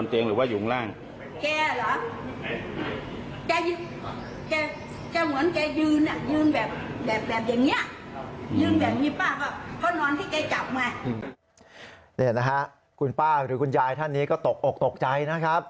นี่นะฮะคุณป้าหรือคุณยายท่านนี้ก็ตกอกตกใจนะครับ